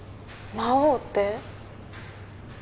魔王って？